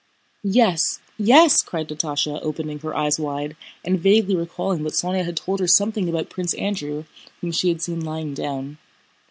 "Yes, yes!" cried Natásha opening her eyes wide, and vaguely recalling that Sónya had told her something about Prince Andrew whom she had seen lying down.